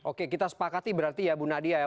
oke kita sepakati berarti ya bu nadia ya